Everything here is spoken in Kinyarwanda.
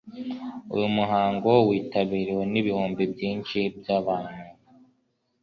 uyu muhango w'itabiriwe n'ibihumbi byinshi by'abantu